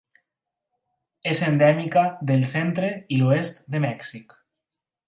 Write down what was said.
És endèmica del centre i l'oest de Mèxic.